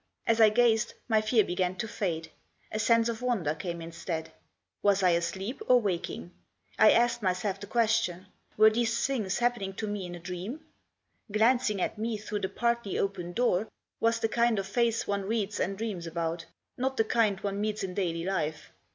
As I gazed my fear began to fade ; a sense of wonder came instead. Was I asleep or waking? I asked myself the question. Were these things happening to me in a dream? Glancing at me through the partly open door was the kind of face one reads and dreams about ; not the kind one meets in daily life.